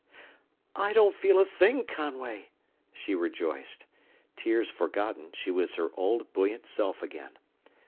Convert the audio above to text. "I don't feel a thing, Conway!" she rejoiced. Tears forgotten, she was her old, buoyant self again.